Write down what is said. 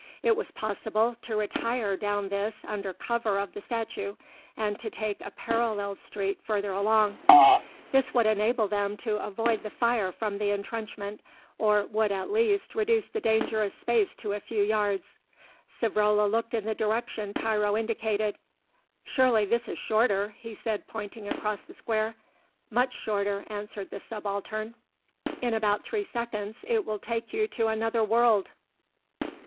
It was possible to retire down this under cover of the statue, and to take a parallel street further along. This would enable them to avoid the fire from the entrenchment, or would at least reduce the dangerous space to a few yards. Savrola looked in the direction Tiro indicated. "Surely this is shorter," he said pointing across the square. "Much shorter," answered the Subaltern; "in about three seconds it will take you to another world."